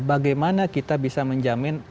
bagaimana kita bisa menjamin